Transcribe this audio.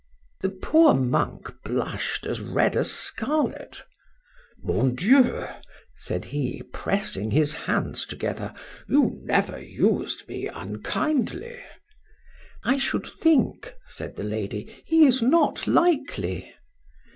The poor monk blush'd as red as scarlet. Mon Dieu! said he, pressing his hands together—you never used me unkindly.—I should think, said the lady, he is not likely.